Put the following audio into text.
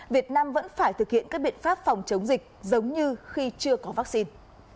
việt nam vẫn phải thực hiện các biện pháp phòng chống dịch giống như khi chưa có vắc xin